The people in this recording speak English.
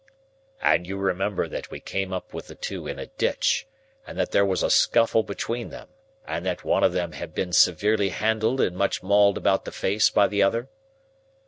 "And you remember that we came up with the two in a ditch, and that there was a scuffle between them, and that one of them had been severely handled and much mauled about the face by the other?"